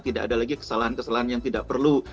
tidak ada lagi kesalahan kesalahan yang tidak perlu